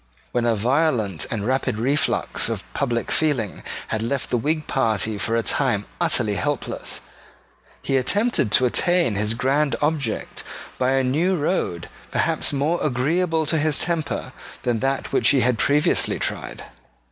When a violent and rapid reflux of public feeling had left the Whig party for a time utterly helpless, he attempted to attain his grand object by a new road perhaps more agreeable to his temper than that which he had previously tried.